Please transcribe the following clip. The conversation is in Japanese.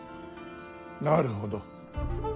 なるほど。